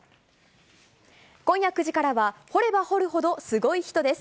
今夜９時からは、掘れば掘るほどスゴイ人です。